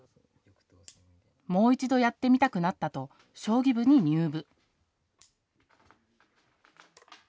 もう一度やってみたくなったと将棋部に入部。